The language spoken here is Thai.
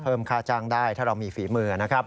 ค่าจ้างได้ถ้าเรามีฝีมือนะครับ